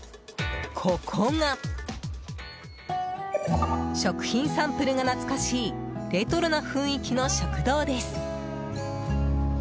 ここが食品サンプルが懐かしいレトロな雰囲気の食堂です。